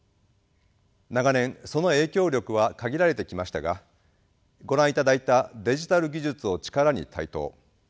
長年その影響力は限られてきましたがご覧いただいたデジタル技術を力に台頭。